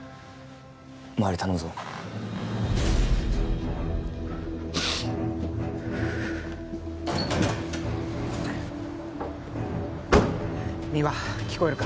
まわり頼むぞ三輪聞こえるか？